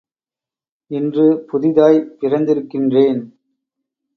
இன்று புதிதாய் பிறந்திருக்கின்றேன்.